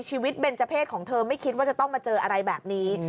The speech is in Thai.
เบนเจอร์เพศของเธอไม่คิดว่าจะต้องมาเจออะไรแบบนี้